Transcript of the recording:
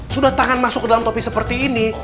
sudah tangan masuk ke dalam topi seperti ini